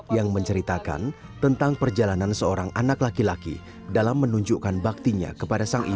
yang menceritakan tentang perjalanan seorang anak laki laki dalam menunjukkan baktinya kepada sang ibu